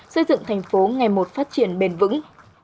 xây dựng thành phố ngày một phát triển bền vững